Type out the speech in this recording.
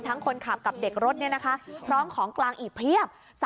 ทั้งคนขับกับเด็กรถนี่นะคะพร้อมของกลางอีกเพียบ